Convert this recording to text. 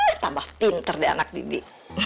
hmm tambah pinter be anak bibi